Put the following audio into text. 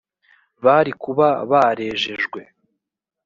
bari kuba barejejwe